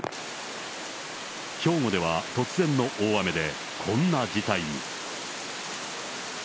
兵庫では突然の大雨で、こんな事態に。